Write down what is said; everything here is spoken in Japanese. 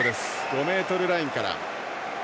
５ｍラインから。